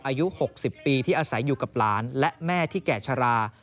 อายุ๖๐ปีที่อาศัยอยู่กับหลานและแม่ที่แก่ชะลา